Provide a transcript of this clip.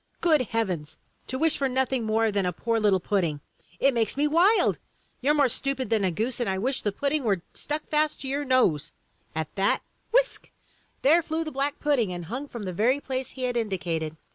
Good heavens, to wish for nothing more than a poor little pudding! It makes me wild! You're more stupid than a goose, and I wish the pud ding were stuck fast to your nose!" At that — ^whisk! there flew the black pudding and hung from the very place he had indicated.